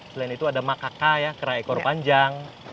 selain itu ada makaka ya kera ekor panjang